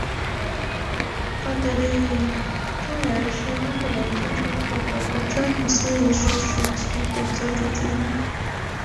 奥德莉庄园是英格兰最出色的詹姆斯一世时期建筑之一。